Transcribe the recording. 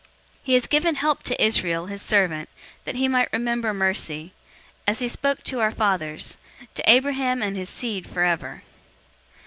001:054 He has given help to Israel, his servant, that he might remember mercy, 001:055 As he spoke to our fathers, to Abraham and his seed forever."